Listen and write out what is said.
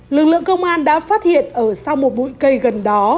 lực lượng công an đã phát hiện ở sau một bụi cây gần đó